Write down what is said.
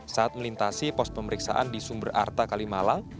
saat melintasi pos pemeriksaan di sumber arta kalimalang